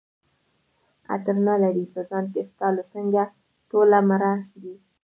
عطر نه لري په ځان کي ستا له څنګه ټوله مړه دي